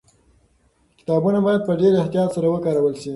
کتابونه باید په ډېر احتیاط سره وکارول سي.